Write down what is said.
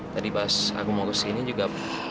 tadi pas aku mau kesini juga